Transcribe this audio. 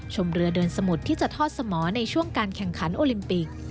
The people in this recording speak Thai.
เรือเดินสมุทรที่จะทอดสมอในช่วงการแข่งขันโอลิมปิก